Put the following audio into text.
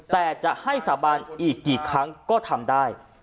แต่จะให้สาบานอีกกี่ครั้งก็ทำได้